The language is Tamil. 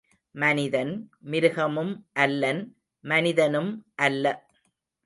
மனிதன், மிருகமும் அல்லன் மனிதனும் அல்ல.